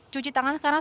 cuci tangan sekarang